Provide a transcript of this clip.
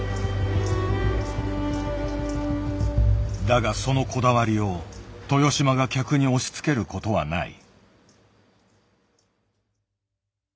だがそのこだわりを豊島が客に押しつけることはない。